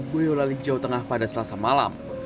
boyolali jawa tengah pada selasa malam